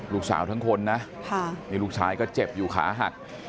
ลูกสาวทั้งคนนะนี่ลูกชายก็เจ็บอยู่ขาหัก